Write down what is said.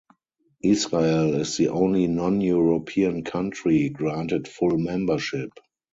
Israel is the only non-European country granted full membership.